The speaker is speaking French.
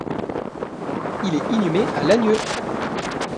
Il est inhumé à Lagnieu.